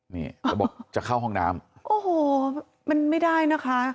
นี่แล้วบอกจะเข้าห้องน้ำโอ้โหมันไม่ได้นะคะ